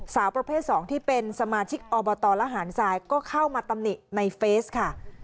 สาวประเภท๒ที่เป็นสมาชิกอบตระหารทรายก็เข้ามาตำหนิในเฟสค่ะ